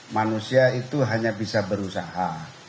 manusia itu hanya bisa berusaha